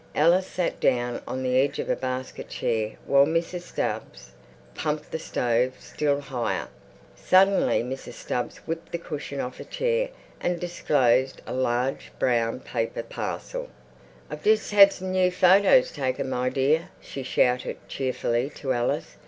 Alice sat down on the edge of a basket chair while Mrs. Stubbs pumped the stove still higher. Suddenly Mrs. Stubbs whipped the cushion off a chair and disclosed a large brown paper parcel. "I've just had some new photers taken, my dear," she shouted cheerfully to Alice.